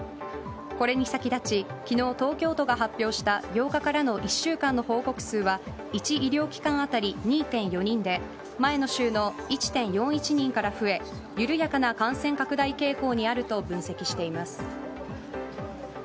これに先立ち昨日、東京都が発表した８日からの１週間の報告者数は１医療機関当たり２．４人で前の週の１．４１人から増え緩やかな感染拡大傾向にあると分析しています。